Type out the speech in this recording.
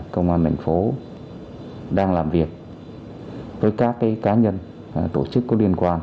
công an tp hcm đang làm việc với các cá nhân tổ chức có liên quan